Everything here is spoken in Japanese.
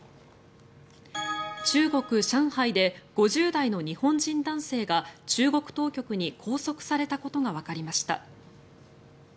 中国・上海で５０代の日本人男性が中国当局に拘束されたことがわかりました。